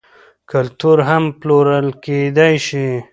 کلتور هم پلورل کیدی شي.